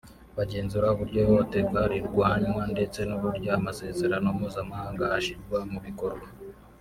bagenzura uburyo ihohotera rirwanywa ndetse n’uburyo amasezerano mpuzamahanga ashyirwa mu bikorwa